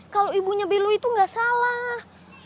kalau ibunya belo itu enggak salah